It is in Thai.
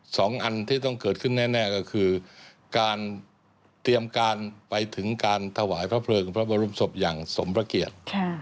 สองอันที่ต้องเกิดขึ้นแน่ก็คือการเตรียมการไปถึงการถวายพระเพลิงพระบรมศพอย่างสมพระเกียรติ